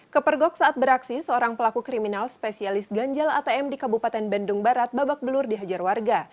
kepergok saat beraksi seorang pelaku kriminal spesialis ganjal atm di kabupaten bandung barat babak belur dihajar warga